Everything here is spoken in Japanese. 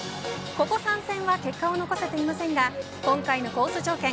ここ３戦は結果を残せていませんが今回のコース条件